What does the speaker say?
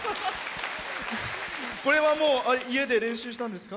これは家で練習したんですか？